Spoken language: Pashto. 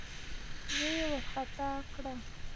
زه يې وارخطا کړم.